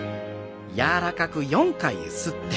柔らかくゆすって。